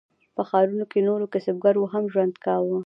په ښارونو کې نورو کسبګرو هم ژوند کاوه.